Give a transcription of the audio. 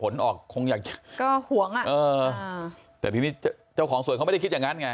ผลออกคงอยากแต่ทีนี้เจ้าของสวนเขาไม่ได้คิดอย่างนั้นไง